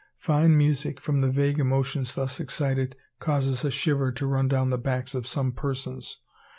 Fine music, from the vague emotions thus excited, causes a shiver to run down the backs of some persons.